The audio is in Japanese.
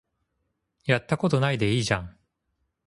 やったことないでいいじゃん